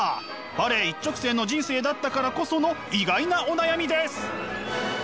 バレエ一直線の人生だったからこその意外なお悩みです！